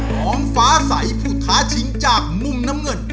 น้องฟ้าใสผู้ท้าชิงจากมุมน้ำเงิน